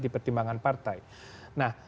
dipertimbangkan partai nah